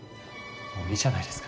もういいじゃないですか。